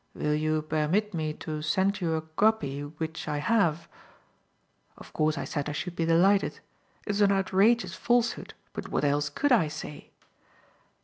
Vill you bermit me to send you a gobby vich I haf?" Of course I said I should be delighted. It was an outrageous falsehood, but what else could I say?